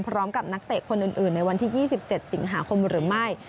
นักเตะคนอื่นในวันที่๒๗สิงหาคมหรือไม่